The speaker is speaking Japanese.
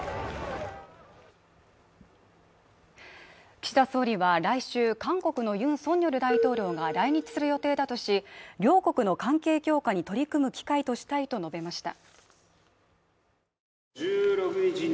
岸田総理は来週、韓国のユン・ソンニョル大統領が来日する予定だとし、両国の関係強化に取り組む機会としたいと述べました。